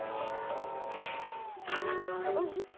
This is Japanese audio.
たまには遊んで。